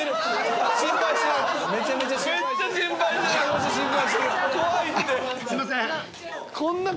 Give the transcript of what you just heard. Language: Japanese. すいません。